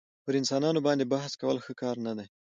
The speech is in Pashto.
پر انسانانو باندي بحث کول ښه کار نه دئ.